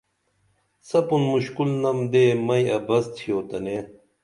سپون مشکول نم دئے مئی ابس تِھیو تنے